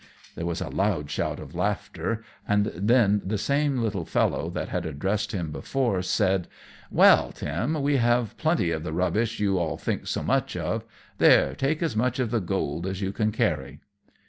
There was a loud shout of laughter, and then the same little fellow that had addressed him before, said, "Well, Tim, we have plenty of the rubbish you all think so much of. There, take as much of the gold as you can carry."